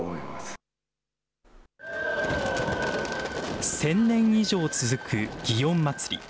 １０００年以上続く祇園祭。